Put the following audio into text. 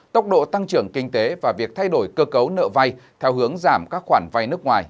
tốc độ tăng trưởng kinh tế và việc thay đổi cơ cấu nợ vay theo hướng giảm các khoản vay nước ngoài